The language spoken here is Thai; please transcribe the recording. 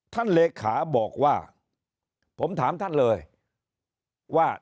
เลขาบอกว่าผมถามท่านเลยว่า